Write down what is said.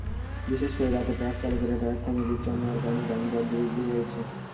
বিশেষ করে রাতে ট্রাকচালকেরা ট্রাক থামিয়ে বিশ্রাম নেওয়ার কারণে যানজট বৃদ্ধি পেয়েছে।